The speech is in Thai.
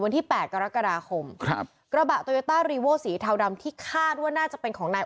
วันที่แปดกรกฎาคมครับกระบะสีเทาดำที่คาดว่าน่าจะเป็นของนาย